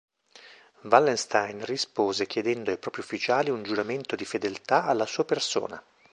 Wallenstein rispose chiedendo ai propri ufficiali un giuramento di fedeltà alla sua persona.